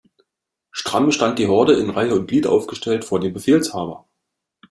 Stramm stand die Horde in Reih' und Glied aufgestellt vor dem Befehlshaber.